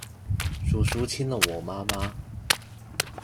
叔叔親了我媽媽